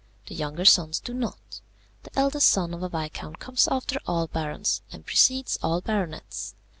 The younger sons do not. The eldest son of a viscount comes after all barons, and precedes all baronets.